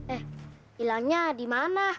eh hilangnya dimana